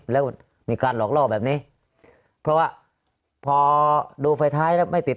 แล้วมีการหลอกล่อแบบนี้เพราะว่าพอดูไฟท้ายแล้วไม่ติด